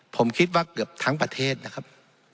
ผมคิดว่าเกือบทั้งประเทศนะครับ